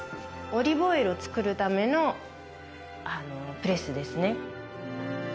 オリーブオイルをつくるためのプレスですね